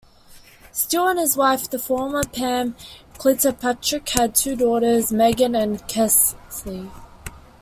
Steele and his wife, the former Pam Kilpatrick, have two daughters, Meghan and Kelsey.